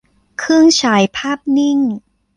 เครื่องฉายภาพนิ่ง